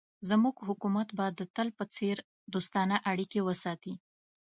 زموږ حکومت به د تل په څېر دوستانه اړیکې وساتي.